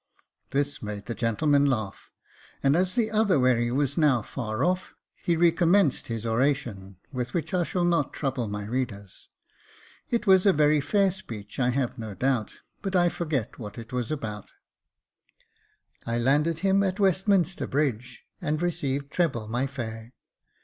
This made the gentleman laugh, and as the other wherry was now far off, he recommenced his oration, with which I shall not trouble my readers. It was a very fair speech, I have no doubt, but I forget what it was about. I landed him at "Westminster Bridge, and received treble my fare.